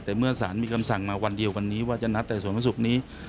แต่เมื่อสารมีคำสั่งมาวันเดียววันนี้ว่าจะนัดแต่ส่วนวันศุกร์นี้